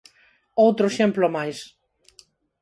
Outro exemplo máis.